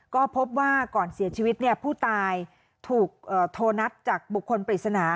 ก็พบว่าก่อนเสียชีวิตผู้ตายถูกโทรนัดจากบุคคลปริศนา